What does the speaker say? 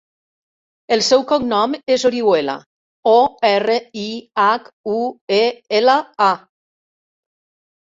El seu cognom és Orihuela: o, erra, i, hac, u, e, ela, a.